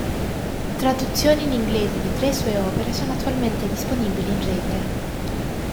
Traduzioni in inglese di tre sue opere sono attualmente disponibili in rete.